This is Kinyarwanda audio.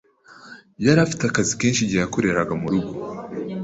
yari afite akazi kenshi igihe yakoreraga mu rugo,